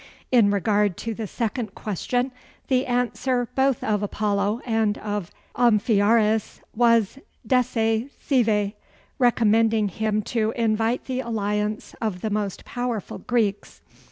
In regard to the second question, the answer both of Apollo and of Amphiaraus was deci sive, recommending him to invite the alliance of the most powerful Greeks.